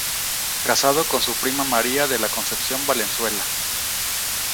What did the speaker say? Casado con su prima María de la Concepción Valenzuela.